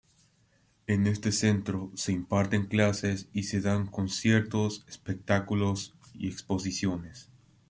En este centro se imparten clases y se dan conciertos, espectáculos y exposiciones.